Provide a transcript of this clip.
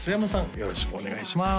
よろしくお願いします